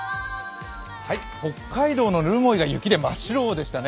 北海道の留萌が雪で真っ白でしたね。